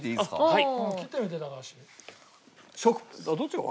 はい。